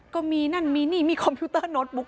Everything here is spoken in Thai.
ก็มีนั่นมีนี่มีคอมพิวเตอร์โน้ตบุ๊